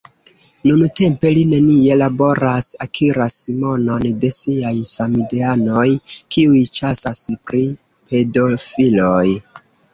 Nuntempe li nenie laboras, akiras monon de siaj samideanoj, kiuj ĉasas pri pedofiloj.